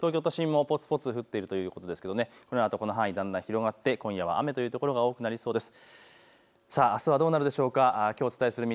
東京都心もぽつぽつ降っているということですがこの範囲だんだん広がって今夜は雨という所が多くなりそうです。